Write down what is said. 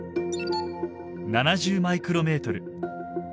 ７０マイクロメートル。